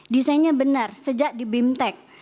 desainnya benar sejak di bimtek